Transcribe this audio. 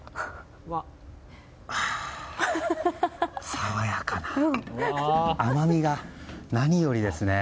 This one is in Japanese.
爽やかな甘みが何よりですね。